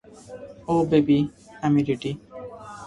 অহ, baby, আমি ready.